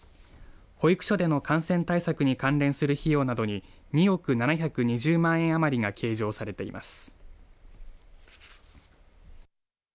保育所での感染対策に関連する費用などに２億７２０万円余りが計上されています。